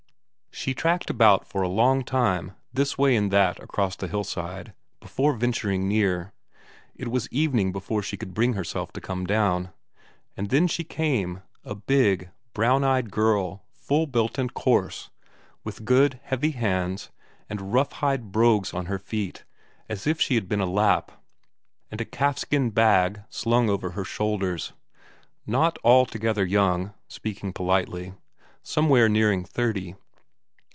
She tacked about for a long time, this way and that across the hillside, before venturing near; it was evening before she could bring herself to come down. And then she came a big, brown eyed girl, full built and coarse, with good, heavy hands, and rough hide brogues on her feet as if she had been a Lapp, and a calfskin bag slung from her shoulders. Not altogether young; speaking politely; somewhere nearing thirty.